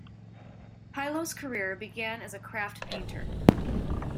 Pilo's career began as a craft painter.